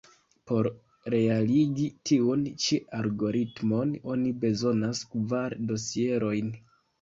Por realigi tiun ĉi algoritmon, oni bezonas kvar dosierojn.